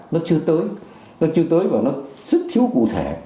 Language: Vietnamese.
nó chưa tới nó chưa tới và nó rất thiếu cụ thể